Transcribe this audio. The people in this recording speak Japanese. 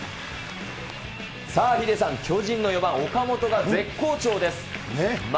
さあ、ヒデさん、巨人の４番岡本が絶好調です。